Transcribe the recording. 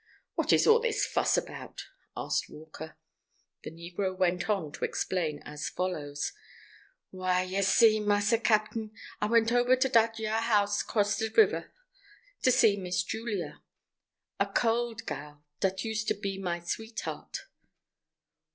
"What is all this fuss about?" asked Walker. The negro went on to explain as follows: "Why, ye see, massa cap'n, I went ober to dat yar house across de riber, to see Miss Julia, a col'd gal dat used to be my sweetheart.